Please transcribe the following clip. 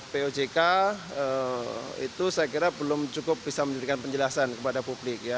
pojk itu saya kira belum cukup bisa memberikan penjelasan kepada publik ya